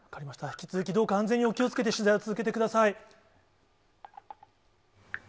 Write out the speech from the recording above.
引き続き、どうか安全にお気をつけて、取材を続けてください。